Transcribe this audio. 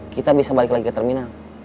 kita bisa balik lagi ke terminal